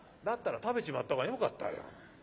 だったら食べちまった方がよかったよ。